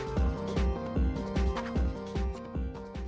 โปรดติดตามตอนต่อไป